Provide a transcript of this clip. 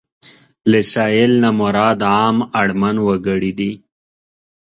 له سايل نه مراد عام اړمن وګړي دي.